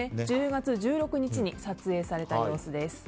１０月１６日に撮影された様子です。